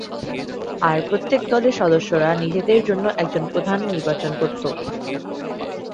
আর প্রত্যেক দলের সদস্যরা নিজেদের জন্য একজন প্রধান নির্বাচন করতো।